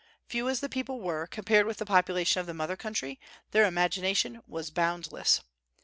Few as the people were, compared with the population of the mother country, their imagination was boundless.